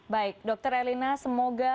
baik dr erlina semoga